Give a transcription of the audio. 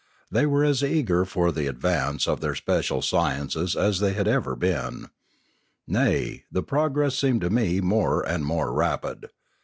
They were as eager for the advance of their special sciences as they had ever been. Nay, the progress seemed to me more and more rapid.